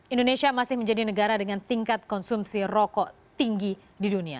indonesia masih menjadi negara dengan tingkat konsumsi rokok tinggi di dunia